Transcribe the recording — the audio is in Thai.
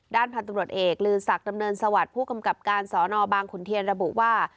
ด้านพันธุรกษ์เอกหรือศักดำเนินสวัสดิ์ผู้กำกับการสนบางขุนเทียนระบุว่า